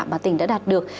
mà tỉnh đã đạt được